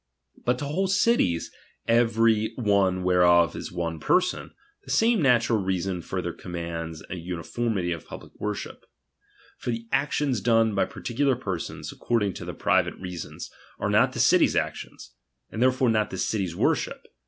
But to whole cities, '~ every one whereof is one person, the same natural reason further commands an uniformity of public worship. For the actions done by particular per sons, according to their private reasons, are not the city's actions ; and therefore not the city's worship.